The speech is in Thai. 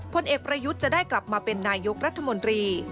ผลเอกประยุทธ์จะได้กลับมาเป็นนายกรัฐมนตรี